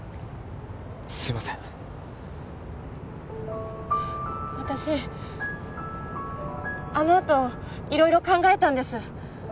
すいません私あのあと色々考えたんです